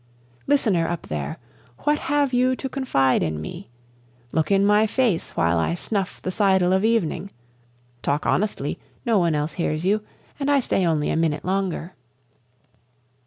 Listener up there! What have you to confide in me? Look in my face while I snuff the sidle of evening. (Talk honestly, no one else hears you, and I stay only a minute longer.)